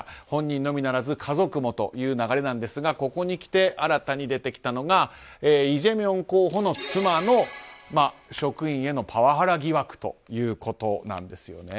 本人のみならず家族もという流れなんですがここにきて新たに出てきたのがイ・ジェミョン候補の妻の職員へのパワハラ疑惑ということなんです。